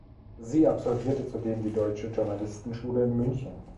Sie absolvierte zudem die Deutsche Journalistenschule in München.